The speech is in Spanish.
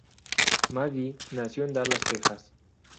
Maggie nació en Dallas, Texas.